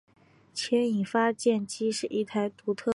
牵引发电机是一台独立励磁的无刷交流发电机。